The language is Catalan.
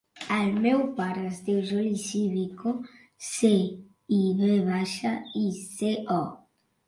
El meu pare es diu Juli Civico: ce, i, ve baixa, i, ce, o.